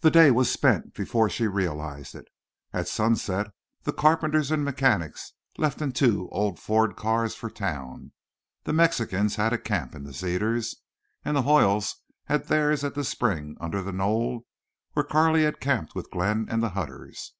The day was spent before she realized it. At sunset the carpenters and mechanics left in two old Ford cars for town. The Mexicans had a camp in the cedars, and the Hoyles had theirs at the spring under the knoll where Carley had camped with Glenn and the Hutters.